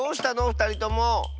ふたりとも。